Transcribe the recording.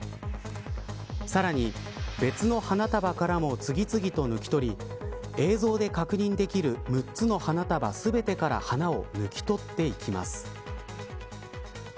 さらに、別の花束からも次々と抜き取り映像で確認できる６つの花束全てから花を抜き取っていきます。